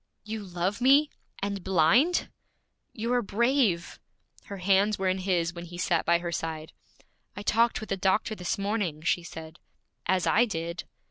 'You love me, and blind?' 'You are brave!' Her hands were in his when he sat by her side. 'I talked with the doctor this morning,' she said. 'As I did.'